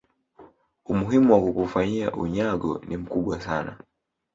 umuhimu wa kukufanyia unyago ni mkubwa sana